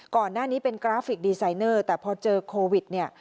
ก่อนหน้านี้เป็นกราฟิกดีไซเนอร์แต่พอเจอโควิดเนี่ย